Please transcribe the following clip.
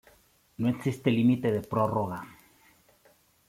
No existe límite de prórroga.